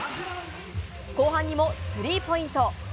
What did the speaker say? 後半にもスリーポイント。